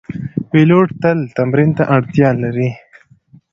پیلوټ تل تمرین ته اړتیا لري.